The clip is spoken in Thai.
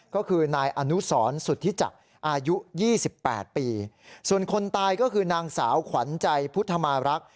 ก็คือนายอนุสรสุธิจักรอายุ๒๘ปีส่วนคนตายก็คือนางสาวขวัญใจพุทธมารักษ